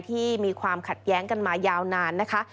ที่มีความขัดแย้งกันมายาวนานนะคะ